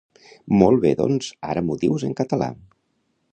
Molt bé doncs ara m'ho dius en català